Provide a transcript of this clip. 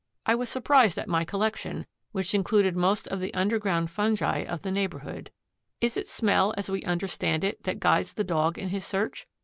I was surprised at my collection, which included most of the underground fungi of the neighborhood. Is it smell as we understand it that guides the Dog in his search?